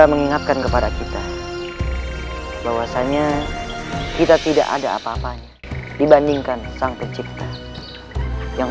mengingatkan kepada kita bahwasannya kita tidak ada apa apanya dibandingkan sang pencipta yang